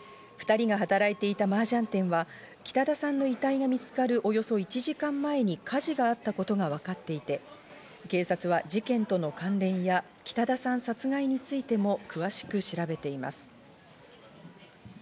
２人が働いていたマージャン店は北田さんの遺体が見つかるおよそ１時間前に火事があったことがわかっていて、警察は事件との関連や、北田さん殺害についても詳しく調べています。